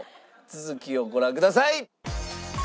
続きをご覧ください。